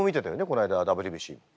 この間ＷＢＣ。